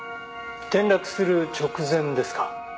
転落する直前ですか？